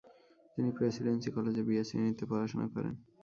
তিনি প্রেসিডেন্সি কলেজে বিএ শ্রেণীতে পড়াশোনা করেন।